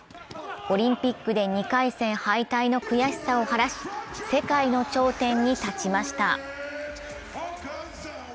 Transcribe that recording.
オリンピックで２回戦敗退の悔しさを晴らし世界の頂点に立ちました。